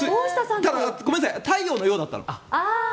太陽の陽だったの。